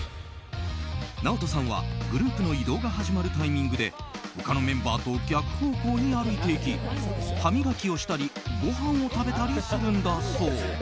ＮＡＯＴＯさんはグループの移動が始まるタイミングで他のメンバーと逆方向に歩いていき歯磨きをしたりごはんを食べたりするんだそう。